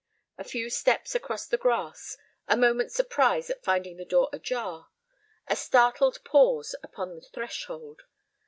A few steps across the grass, a moment's surprise at finding the door ajar, a startled pause upon the threshold.